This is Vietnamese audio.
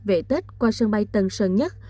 về tết qua sân bay tân sơn nhất